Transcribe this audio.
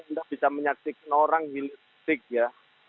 anda bisa menyaksikan orang hilir ya